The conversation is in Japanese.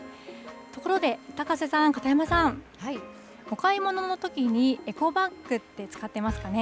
ところで高瀬さん、片山さん、お買い物のときに、エコバッグって使ってますかね。